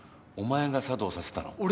お前が作動させたの。